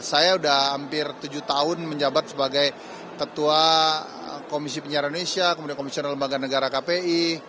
saya sudah hampir tujuh tahun menjabat sebagai ketua komisi penyiaran indonesia kemudian komisioner lembaga negara kpi